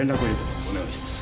お願いします。